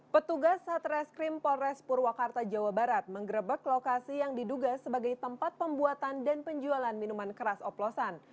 petugas satreskrim polres purwakarta jawa barat menggerebek lokasi yang diduga sebagai tempat pembuatan dan penjualan minuman keras oplosan